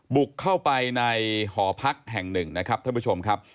บุกเข้าไปในหอพักแห่งหนึ่งนะครับท่านผู้ชมครับ